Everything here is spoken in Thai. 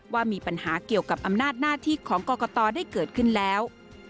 ว่ามีปัญหาเกี่ยวกับอำนาจหน้าที่ของกรกตได้เกิดขึ้นแล้ว